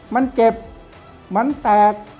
มันเจ็บมันแตก